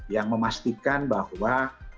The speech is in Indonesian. yang memastikan bahwa